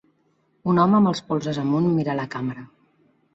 Un home amb els polzes amunt mira a la càmera.